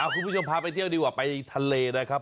คุณผู้ชมพาไปเที่ยวดีกว่าไปทะเลนะครับ